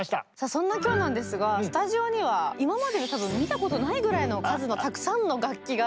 そんな今日なんですがスタジオには今までに多分見たことないぐらいの数のたくさんの楽器が。